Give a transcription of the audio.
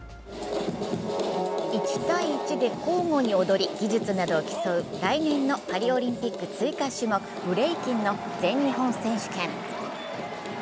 １対１で交互に踊り、技術などを競う、来年のパリオリンピック追加種目、ブレイキンの全日本選手権。